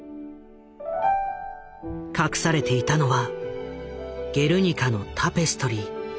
隠されていたのは「ゲルニカ」のタペストリー。